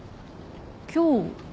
今日？